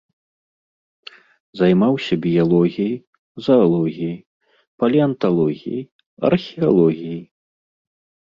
Займаўся біялогіяй, заалогіяй, палеанталогіяй, археалогіяй.